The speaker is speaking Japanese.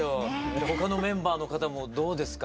他のメンバーの方もどうですか？